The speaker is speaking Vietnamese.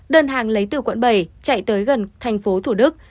đơn hàng lấy từ quận bảy chạy tới gần thành phố thủ đức